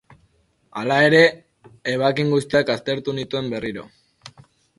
Hala ere, ebakin guztiak aztertu nintuen berriro.